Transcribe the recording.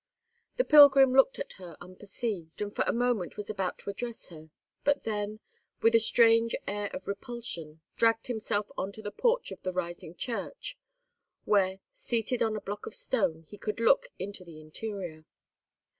The pilgrim looked at her unperceived, and for a moment was about to address her; but then, with a strange air of repulsion, dragged himself on to the porch of the rising church, where, seated on a block of stone, he could look into the interior.